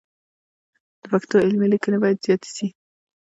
د پښتو علمي لیکنې باید زیاتې سي.